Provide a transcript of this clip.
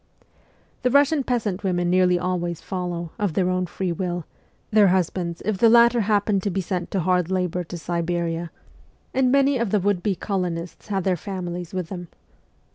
The Russian peasant women nearly always follow, of their own free will, their husbands if the latter happen to be sent to hard labour to Siberia, 216 MEMOIRS OF A REVOLUTIONIST and many of the would be colonists had their families with them.